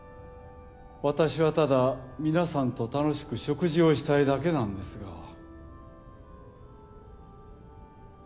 私はただ皆さんと楽しく食事をしたいだけなんですが。